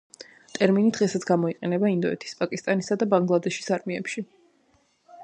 ტერმინი დღესაც გამოიყენება ინდოეთის, პაკისტანისა და ბანგლადეშის არმიებში.